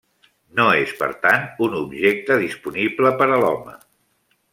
No és per tant un objecte disponible per a l'home.